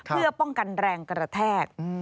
เพื่อป้องกันแรงกระแทก